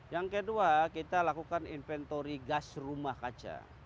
yang kedua kita lakukan inventory gas rumah kaca